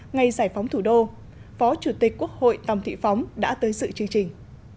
ngày giải phóng thủ đô phó chủ tịch quốc hội tòng thị phóng đã tới sự chương trình